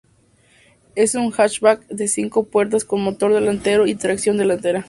Es un hatchback de cinco puertas con motor delantero y tracción delantera.